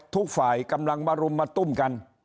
ทุกฝ่ายกำลังมารุมมาตุ้มกัน